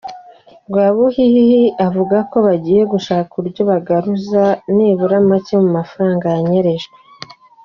Rwabuhihi akavuga ko bagiye gushaka uburyo bagaruza nibura make mu mafaranga yanyerejwe.